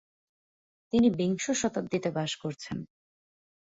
তিনি বিংশ শতাব্দীতে বাস করছেন।